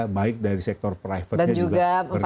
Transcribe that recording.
baik dari sektor private juga bergerak